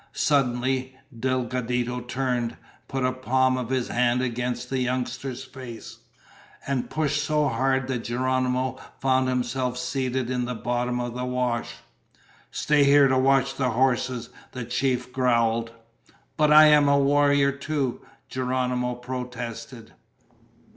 Suddenly Delgadito turned, put the palm of his hand against the youngster's face, and pushed so hard that Geronimo found himself seated in the bottom of the wash. "Stay here to watch the horses," the chief growled. "But I'm a warrior too!" Geronimo protested.